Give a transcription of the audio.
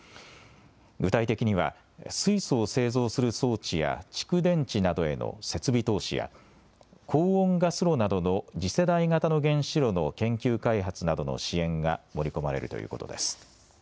具体的には水素を製造する装置や蓄電池などへの設備投資や高温ガス炉などの次世代型の原子炉の研究開発などの支援が盛り込まれるということです。